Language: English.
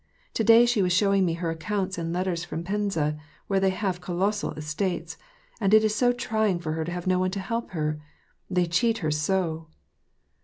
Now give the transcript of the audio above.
" To day she was showing me her accounts and letters from Penza, where they have colossal estates ; and it is so trying for her to have no one to help her : they cheat her so